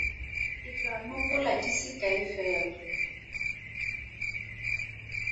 Ke tla nopola di se kae fela.